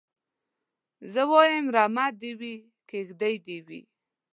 زه وايم رمه دي وي کيږدۍ دي وي